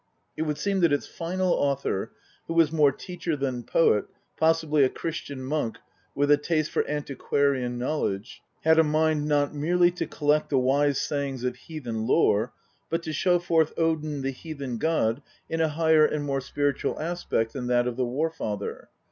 It would seem that its final author, who was more teacher than poet, possibly a Christian monk with a taste for antiquarian knowledge, had a mind not merely to collect the wise sayings of heathen lore, but to show forth Odin, the heathen god, in a higher and more spiritual aspect than that of the War father.